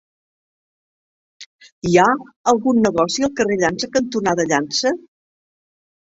Hi ha algun negoci al carrer Llança cantonada Llança?